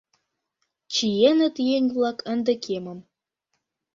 Чиеныт еҥ-влак ынде кемым